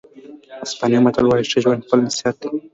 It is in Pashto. اسپانوي متل وایي ښه ژوند خپله نصیحت دی.